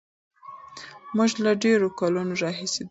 موږ له ډېرو کلونو راهیسې دلته اوسېږو.